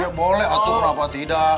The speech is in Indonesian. ya boleh atuh kenapa tidak